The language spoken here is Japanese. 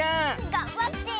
がんばって。